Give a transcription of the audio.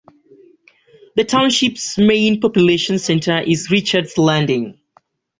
The township's main population centre is Richards Landing.